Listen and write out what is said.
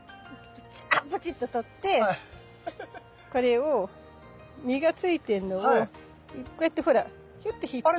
ブチッと取ってこれを実がついてんのをこうやってほらヒュッて引っ張ると。